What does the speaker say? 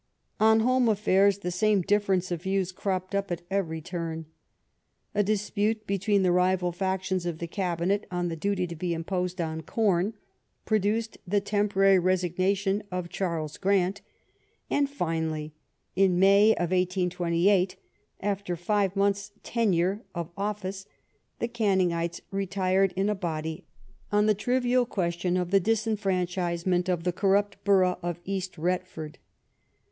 On home affairs the same difference of views cropped up at every turn. A dispute between the rival factions of the Cabinet on the duty to be imposed on corn^ produced the temporary resignation of Oharles Grant; and, fioally, in May 1828, after five months' tenure of office, the Ganningites retired in a body on the trivial' question of the disfranchisement of the corrupt borough of £ast Retford.